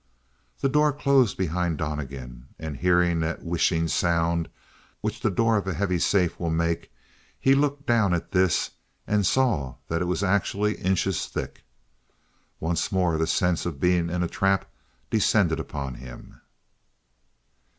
The door closed behind Donnegan, and hearing that whishing sound which the door of a heavy safe will make, he looked down at this, and saw that it was actually inches thick! Once more the sense of being in a trap descended upon him.